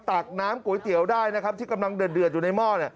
ตักน้ำก๋วยเตี๋ยวได้นะครับที่กำลังเดือดอยู่ในหม้อ